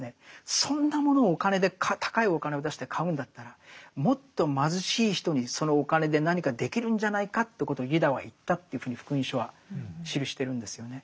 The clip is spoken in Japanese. そんなものをお金で高いお金を出して買うんだったらもっと貧しい人にそのお金で何かできるんじゃないかということをユダは言ったというふうに「福音書」は記してるんですよね。